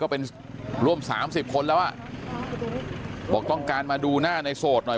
เป็นร่วมสามสิบคนแล้วอ่ะบอกต้องการมาดูหน้าในโสดหน่อย